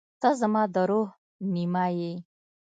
• ته زما د روح نیمه یې.